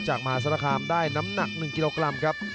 มหาศาลคามได้น้ำหนัก๑กิโลกรัมครับ